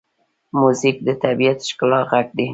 موزیک د طبیعي ښکلا غږ دی.